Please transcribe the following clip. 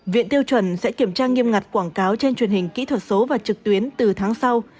viện tiêu chuẩn sẽ kiểm tra nghiêm ngặt quảng cáo trên truyền hình kỹ thuật số và trực tuyến từ tháng sau